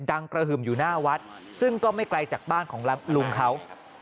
กระหึ่มอยู่หน้าวัดซึ่งก็ไม่ไกลจากบ้านของลุงเขา